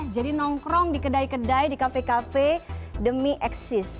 jadi nongkrong di kedai kedai di kafe kafe demi eksis